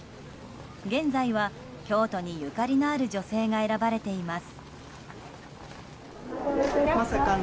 現在は京都にゆかりのある女性が選ばれています。